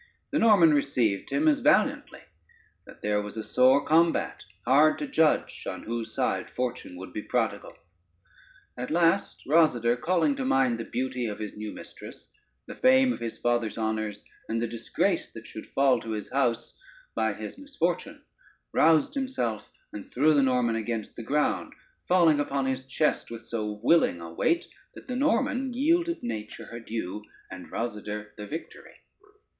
The Norman received him as valiantly, that there was a sore combat, hard to judge on whose side fortune would be prodigal. At last Rosader, calling to mind the beauty of his new mistress, the fame of his father's honors, and the disgrace that should fall to his house by his misfortune, roused himself and threw the Norman against the ground, falling upon his chest with so willing a weight, that the Norman yielded nature her due, and Rosader the victory.